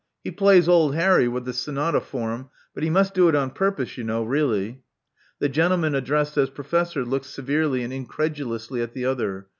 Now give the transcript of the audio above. He plays old Harry with the sonata form ; but he must do it on purpose, you know, really." The gentleman addressed as Professor looked severely and incredulously at the other.